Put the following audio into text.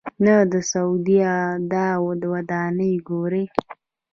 نه د سعودي دا ودانۍ ګوري.